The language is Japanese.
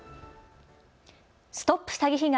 ＳＴＯＰ詐欺被害！